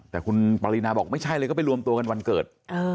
แต่คุณปรินาบอกไม่ใช่เลยก็ไปรวมตัวกันวันเกิด